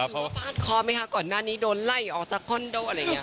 ขอฟาดคอไหมคะก่อนหน้านี้โดนไล่ออกจากคอนโดอะไรอย่างนี้